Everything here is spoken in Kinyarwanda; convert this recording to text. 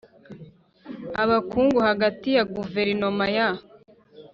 Ubukungu hagati ya Guverinoma ya